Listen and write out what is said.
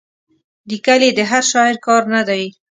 لیکل یې د هر شاعر کار نه دی.